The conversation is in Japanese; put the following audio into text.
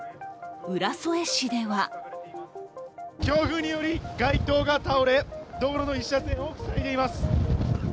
浦添市では強風により街灯が倒れ道路の１車線を塞いでいます。